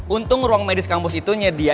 untung ruang medis kampus itu nya dia